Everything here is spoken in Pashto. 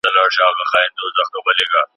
ویښ خلک په ژوند کي مثبتو بدلونونو ته هرکلی وایي.